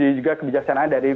itu juga kebijaksanaan dari kbri